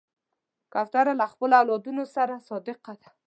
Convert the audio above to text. کوتره له خپلو اولادونو سره صادقه ده.